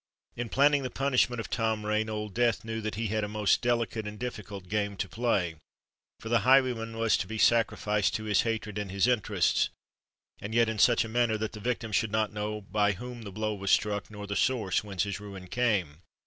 In planning the punishment of Tom Rain, Old Death knew that he had a most delicate and difficult game to play; for the highwayman was to be sacrificed to his hatred and his interests—and yet in such a manner that the victim should not know by whom the blow was struck nor the source whence his ruin came.